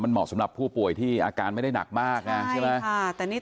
เหมาะสำหรับผู้ป่วยที่อาการไม่ได้หนักมากนะใช่ไหม